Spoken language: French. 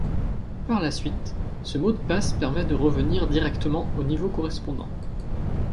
Par la suite, ce mot de passe permet de revenir directement au niveau correspondant.